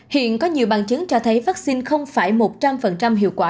hiện có nhiều bằng chứng cho thấy vaccine không phải một trăm linh hiệu quả